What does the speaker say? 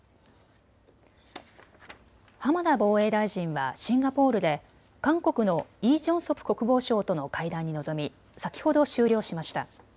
浜田防衛大臣はシンガポールで韓国のイ・ジョンソプ国防相との会談に臨み、先ほど終了しました。